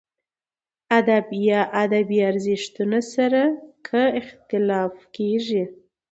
ادب یا ادبي ارزښتونو سره که اختلاف کېږي.